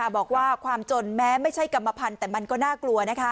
บอกว่าความจนแม้ไม่ใช่กรรมพันธุ์แต่มันก็น่ากลัว